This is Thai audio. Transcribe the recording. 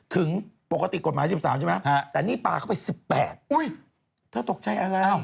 ถึงปกติกฎหมาย๑๓ใช่ไหมแต่นี่ปลาเข้าไป๑๘เธอตกใจอะไร